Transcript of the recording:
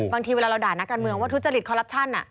บางทีเวลาเราด่านักการเมืองว่าทุจริตคอลลับชั่น